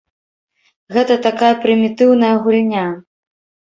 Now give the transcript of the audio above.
Гэта такая прымітыўная гульня.